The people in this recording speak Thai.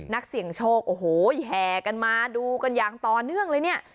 นักเสี่ยงโชคโอ้โหแห่กันมาดูกันอย่างต่อเนื่องเลยเนี่ย